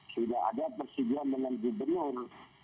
sudah ada persetujuan dengan gubernur